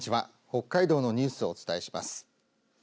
北海道のニュースをお伝えします。